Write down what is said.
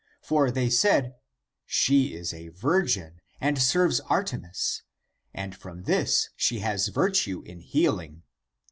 For they said: She is a virgin, and serves Artemis, and from this she has virtue in healing.